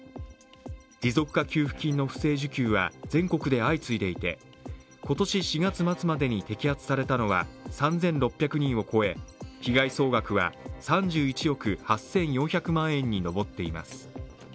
持続化給付金の不正受給は全国で相次いでいて今年４月末までに摘発されたのは３６００人を超え被害総額は３１億８４００万円に上っています。